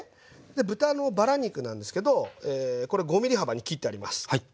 豚のバラ肉なんですけどこれ５ｍｍ幅に切ってあります。